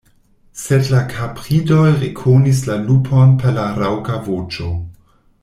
Sed la kapridoj rekonis la lupon per la raŭka voĉo.